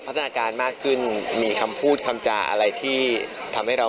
ปกติก็ทำงานด้วยกันอยู่แล้วนะ